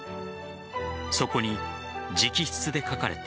そこに直筆で書かれた